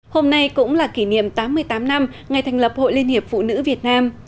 hôm nay cũng là kỷ niệm tám mươi tám năm ngày thành lập hội liên hiệp phụ nữ việt nam